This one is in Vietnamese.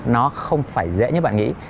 nó không phải dễ như bạn nghĩ